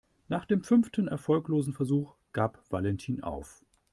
Nach dem fünften erfolglosen Versuch gab Valentin auf.